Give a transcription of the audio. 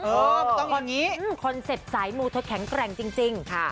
เออไม่ต้องอย่างนี้อืมคอนเซ็ปท์สายมูลทดแข็งแกร่งจริงค่ะ